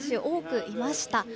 多くいました。